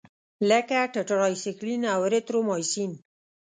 لکه ټیټرایسایکلین او اریترومایسین.